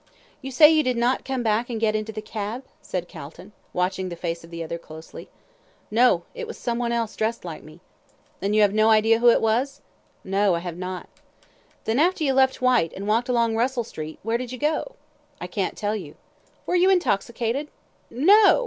"You say you did not come back and get into the cab?" said Calton, watching the face of the other closely. "No, it was some one else dressed like me." "And you have no idea who it was?" "No, I have not." "Then, after you left Whyte, and walked along Russell Street, where did you go?" "I can't tell you." "Were you intoxicated?" "No!"